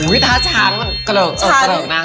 อุ้ยท่าช้างเกลือกนะ